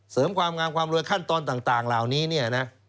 เสริมความงามความรวยขั้นตอนต่างเหล่านี้เนี่ยนะ